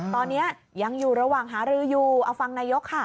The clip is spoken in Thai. ตอนนี้ยังอยู่ระหว่างหารืออยู่เอาฟังนายกค่ะ